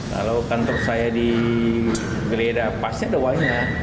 kalau kantor saya di geleda pasti ada uangnya